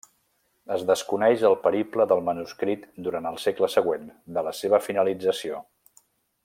Es desconeix el periple del manuscrit durant el segle següent de la seva finalització.